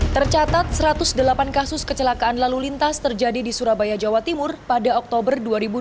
tercatat satu ratus delapan kasus kecelakaan lalu lintas terjadi di surabaya jawa timur pada oktober dua ribu dua puluh